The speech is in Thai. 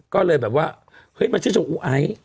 ก็เลยแบบว่าเฮ้ยมาชื่นชมอูไอ